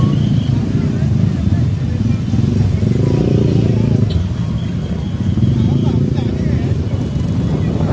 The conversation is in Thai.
เมื่อเวลาเกิดขึ้นมันกลายเป้าหมาย